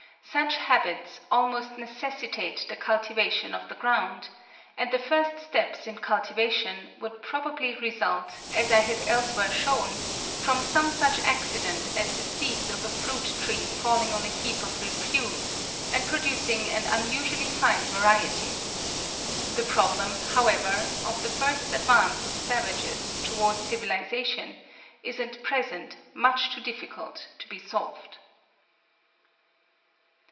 Such habits almost necessitate the cultivation of the ground; and the first steps in cultivation would probably result, as I have elsewhere shewn (8. 'The Variation of Animals and Plants under Domestication,' vol. i. p. 309.), from some such accident as the seeds of a fruit tree falling on a heap of refuse, and producing an unusually fine variety. The problem, however, of the first advance of savages towards civilisation is at present much too difficult to be solved.